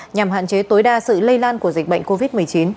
nhằm hạn chế tối đa sự lây lan của dịch bệnh covid một mươi chín